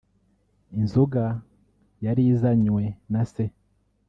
inzoga yari izanywe na se